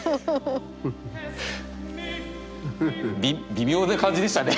微妙な感じでしたね。